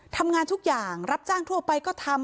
ทำงานทุกอย่างรับจ้างทั่วไปก็ทำ